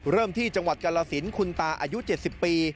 เริ่มที่จังหวัดกรสินคุณตาอายุ๗๐ปี